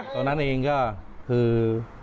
ตอนนั้นเองก็คือ